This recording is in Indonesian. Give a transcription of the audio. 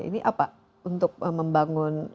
ini apa untuk membangun